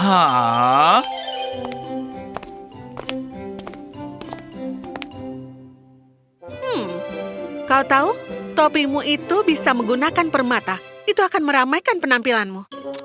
hmm kau tahu topimu itu bisa menggunakan permata itu akan meramaikan penampilanmu